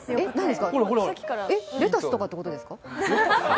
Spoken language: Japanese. レタスとかってことですか？